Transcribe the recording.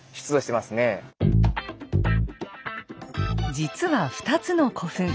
実は２つの古墳